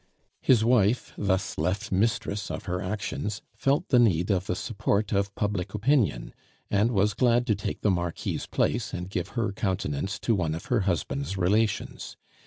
His wife, thus left mistress of her actions, felt the need of the support of public opinion, and was glad to take the Marquis' place and give her countenance to one of her husband's relations.